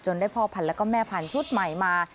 ได้พ่อพันธุ์และแม่พันธุ์ชุดใหม่มา